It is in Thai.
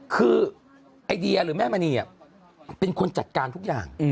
คือไอเดียหรือแม่มณีเป็นคนจัดการทุกอย่าง